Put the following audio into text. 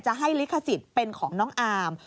ให้ลิขสิทธิ์เป็นของน้องอาร์ม